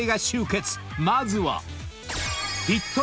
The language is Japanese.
［まずは］